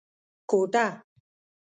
کوټه